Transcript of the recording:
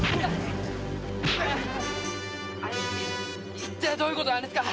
いってえどういうことなんですか？